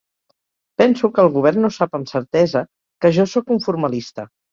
Penso que el govern no sap amb certesa que jo sóc un formalista.